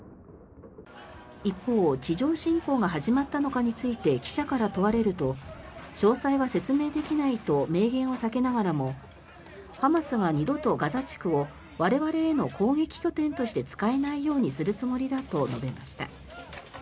一方、地上侵攻が始まったのかについて記者から問われると詳細は説明できないと明言を避けながらもハマスが二度とガザ地区を我々への攻撃拠点として使えないようにするつもりだと述べました。